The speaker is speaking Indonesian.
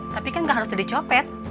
tapi kan gak harus jadi copet